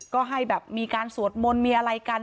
ก็ให้แบบมีการสวดมนต์มีอะไรกัน